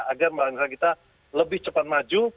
agar bangsa kita lebih cepat maju